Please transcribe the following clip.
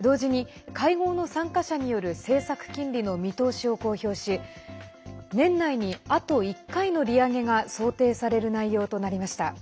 同時に、会合の参加者による政策金利の見通しを公表し年内に、あと１回の利上げが想定される内容となりました。